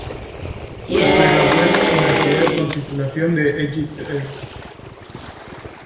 Opera vuelos en alquiler con tripulación de EgyptAir.